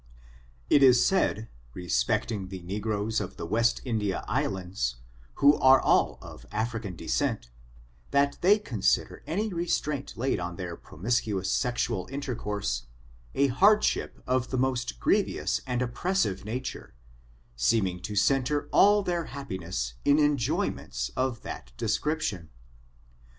It is said, respecting the negroes of the West India Islands, who are all of African descent, that they con sider any restraint laid on their promiscuous sexual intercourse, a hardship of the most grievous and op pressive nature, seeming to center all their happiness in enjoyments of that description.